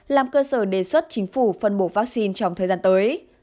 làm cơ sở đề xuất chính phủ phân bổ vaccine trong thời gian tới